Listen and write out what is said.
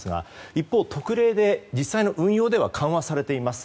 一方、特例で実際の運用では緩和されています。